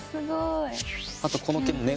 あとこの毛もね